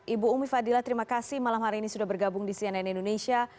ibu umi fadila terima kasih malam hari ini sudah bergabung di cnn indonesia